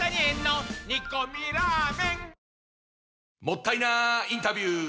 もったいなインタビュー！